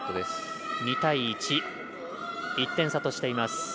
２対１、１点差としています。